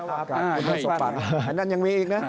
อันนั้นยังมีอีกนะ